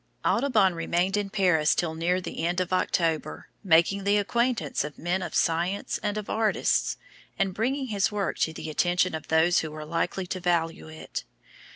Audubon remained in Paris till near the end of October, making the acquaintance of men of science and of artists, and bringing his work to the attention of those who were likely to value it.